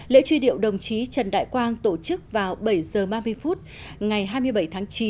lễ truy điệu đồng chí trần đại quang tổ chức vào bảy h ba mươi phút ngày hai mươi bảy tháng chín